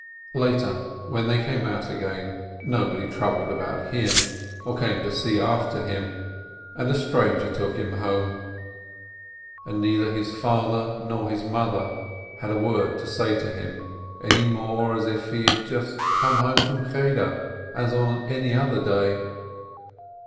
Later, when they came out again, nobody troubled about him, or came to see after him, and a stranger took him home. And neither his father nor his mother had a word to say to him, any more than if he had just come home from Cheder as on any other day.